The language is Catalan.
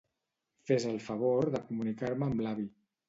Fes el favor de comunicar-me amb l'avi.